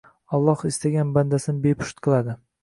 Alloh istagan bandasini bepusht qiladi.